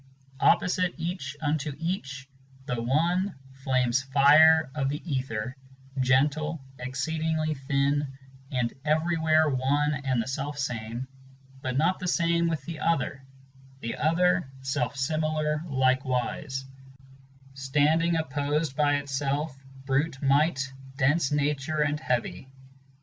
1 Opposite each unto eachŌĆö the one, flame's fire of the ether, Gentle, exceedingly thin, and everywhere one and the self same, But not the same with the other; the other, self similar likewise, Standing opposed by itself, brute might, dense nature and heavy.